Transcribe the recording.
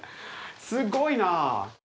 すごいな！